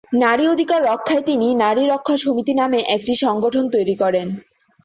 নারী অধিকার রক্ষায় তিনি ‘নারী রক্ষা সমিতি’ নামে একটি সংগঠন তৈরি করেন।